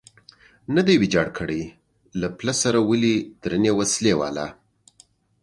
نه دی ویجاړ کړی، له پله سره ولې درنې وسلې والا.